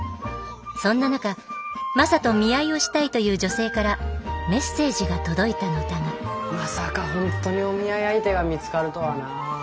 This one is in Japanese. そんな中マサと見合いをしたいという女性からメッセージが届いたのだがまさかほんとにお見合い相手が見つかるとはな。